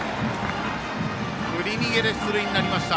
振り逃げで出塁になりました。